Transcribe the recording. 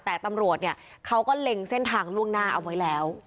แต่ตำรวจเนี่ยเขาก็เล็งเส้นทางล่วงหน้าเอาไว้แล้ว